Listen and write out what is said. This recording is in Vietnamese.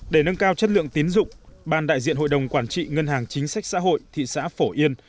để nâng cao chất lượng tiến dụng ban đại diện hội đồng quản trị ngân hàng chính sách xã hội thị xã phổ yên